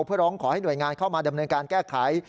เพื่อร้องขอให้หน่วยงานเข้ามาดำเนินการแก้ไข